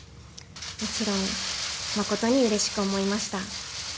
もちろん誠にうれしく思いました。